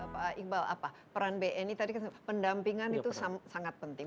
pak iqbal apa peran bni tadi pendampingan itu sangat penting